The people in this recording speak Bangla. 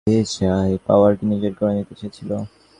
আমি যতটুকু জানি তারা আমার পাওয়ারকে নিজের করে নিতে চেয়েছিল।